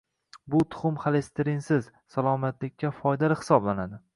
Bu tuxum xolesterinsiz, salomatlikka foydali hisoblanadi.